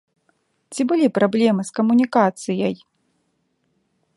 Ці былі праблемы з камунікацыяй?